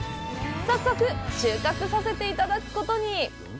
早速、収穫させていただくことに。